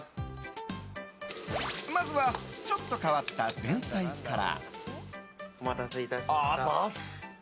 まずはちょっと変わった前菜から。